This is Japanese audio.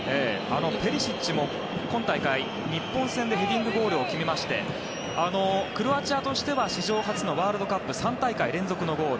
ペリシッチも今大会日本戦でヘディングゴールを決めましてクロアチアとしては史上初のワールドカップ３大会連続のゴール。